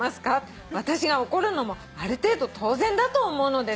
「私が怒るのもある程度当然だと思うのですが」